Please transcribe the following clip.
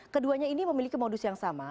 keduanya ini memiliki modus yang sama